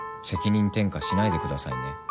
責任転嫁しないでくださいね。